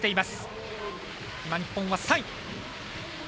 今、日本は３位。